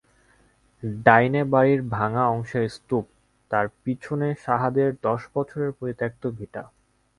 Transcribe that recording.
ডাইনে বাড়ির ভাঙা অংশের স্তুপ, তার পিছনে সাহাদের দশবছরের পরিত্যক্ত ভিটা।